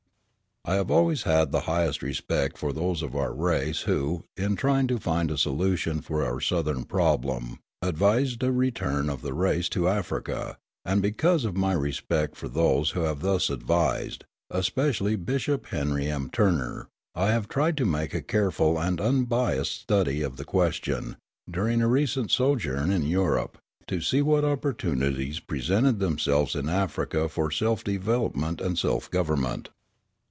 I have always had the highest respect for those of our race who, in trying to find a solution for our Southern problem, advised a return of the race to Africa, and because of my respect for those who have thus advised, especially Bishop Henry M. Turner, I have tried to make a careful and unbiassed study of the question, during a recent sojourn in Europe, to see what opportunities presented themselves in Africa for self development and self government.